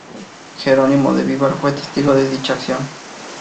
Gerónimo de Vivar fue testigo de dicha acción.